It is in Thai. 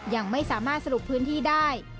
ยังไม่สามารถสรุปพื้นที่ได้